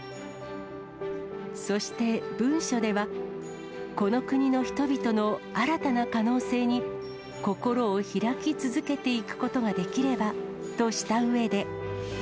そして文書では、この国の人々の新たな可能性に、心を開き続けていくことができればとしたうえで。